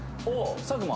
佐久間